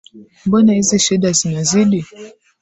Mbona hizi shida zinazidi?